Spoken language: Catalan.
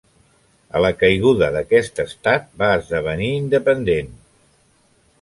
A la caiguda d'aquest estat va esdevenir independent.